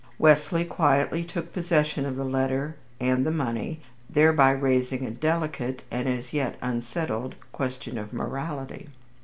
Wesley quietly took possession of the letter and the money, thereby raising a delicate, and as yet unsettled, question of morality.